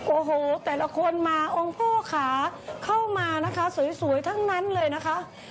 โอ้โหแต่ละคนมาองค์พ่อขาเข้ามานะคะสวยทั้งนั้นเลยนะคะ